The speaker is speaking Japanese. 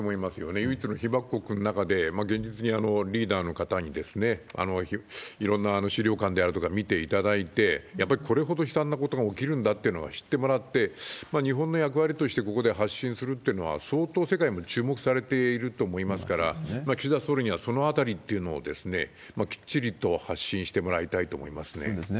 唯一の被爆国の中で、現実にリーダーの方にいろんな資料館であるとか見ていただいて、やっぱりこれほど悲惨なことが起きるんだってのを知ってもらって、日本の役割としてここで発信するっていうのは、相当、世界も注目されていると思いますから、岸田総理にはそのあたりというのをきっちりと発信してもらいたいそうですね。